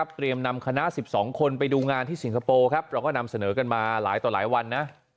นำคณะ๑๒คนไปดูงานที่สิงคโปร์ครับเราก็นำเสนอกันมาหลายต่อหลายวันนะ